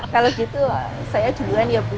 kalau gitu saya duluan ya bu